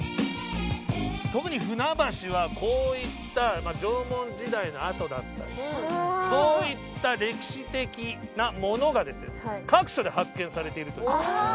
特に船橋はこういった縄文時代の跡だったりそういった歴史的なものが各所で発見されているという。